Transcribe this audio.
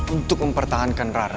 untuk mempertahankan rara